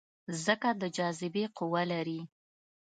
ځمکه د جاذبې قوه لري